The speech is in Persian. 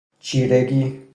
چیرگی